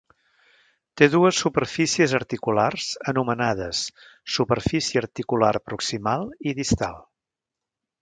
Té dues superfícies articulars anomenades superfície articular proximal i distal.